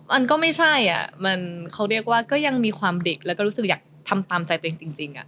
มันก็ไม่ใช่เขาเรียกว่าก็ยังมีความเด็กแล้วก็รู้สึกอยากทำตามใจตัวเองจริง